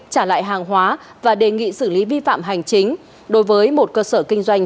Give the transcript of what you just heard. trả lại hàng hóa và đề nghị xử lý vi phạm hành chính đối với một cơ sở kinh doanh